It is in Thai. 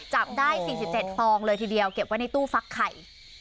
จับได้๔๗ฟองเลยทีเดียวเก็บไว้ในตู้ฟักไข่